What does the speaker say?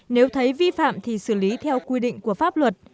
nếu thấy vi phạm thì xử lý theo quy định của pháp luật